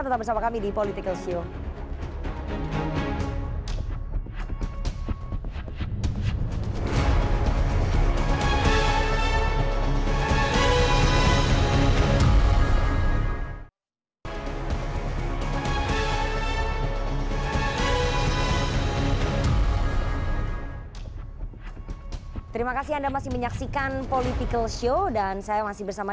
tetap bersama kami di politikalshow